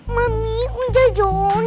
mami udah dong